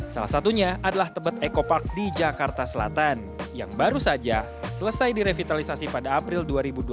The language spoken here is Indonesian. salah satunya adalah tebet eco park di jakarta selatan yang baru saja selesai direvitalisasi pada april dua ribu dua puluh